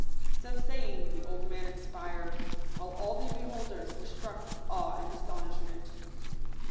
So saying, the old man expired ; while all the beholders were struck with awe and astonishment.